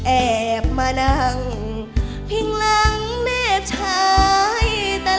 แอบมานั่งพิงหลังแม่ชาย